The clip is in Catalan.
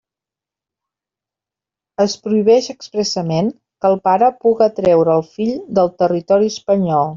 Es prohibix expressament que el pare puga traure el fill del territori espanyol.